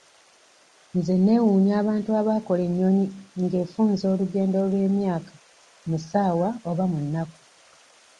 Nze neewuunya abantu abaakola ennyonyi nga efunza olugendo olw'emyaka mu ssaawa oba mu nnaku.